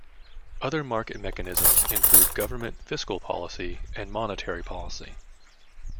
Other market mechanisms include government fiscal policy and monetary policy.